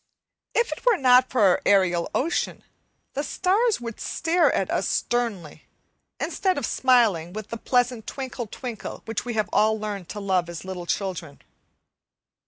If it were not for our aerial ocean, the stars would stare at us sternly, instead of smiling with the pleasant twinkle twinkle which we have all learned to love as little children.